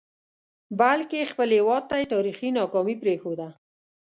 بلکې خپل هیواد ته یې تاریخي ناکامي پرېښوده.